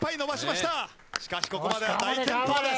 しかしここまでは大健闘です。